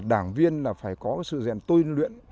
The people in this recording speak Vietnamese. đảng viên là phải có sự giải quyết